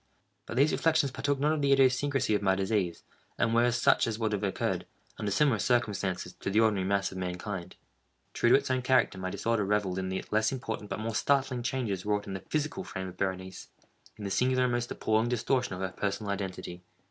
But these reflections partook not of the idiosyncrasy of my disease, and were such as would have occurred, under similar circumstances, to the ordinary mass of mankind. True to its own character, my disorder revelled in the less important but more startling changes wrought in the physical frame of Berenice—in the singular and most appalling distortion of her personal identity.